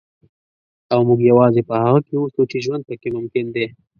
او موږ یوازې په هغه کې اوسو چې ژوند پکې ممکن دی.